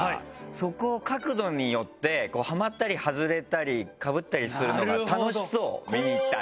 そこ角度によってはまったり外れたりかぶったりするのが楽しそう見に行ったら。